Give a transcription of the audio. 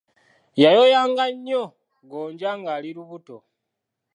Yayoyanga nnyo gonja ng'ali lubuto.